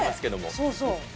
そうそう。